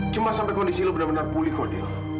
cuma sampai kondisi lo benar benar pulih dil